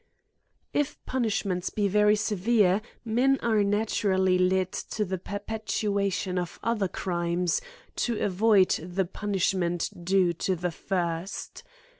If punishments be very severe, men are natural ly led to the perpetration of other crimes, to avoid £4 AN ESSAY ON the punishment due to the first.